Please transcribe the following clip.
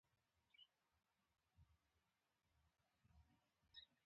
پيچلي ويښته يې پر خاورو پراته ول.